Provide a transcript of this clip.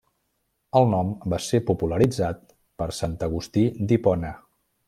El nom va ser popularitzat per Sant Agustí d'Hipona.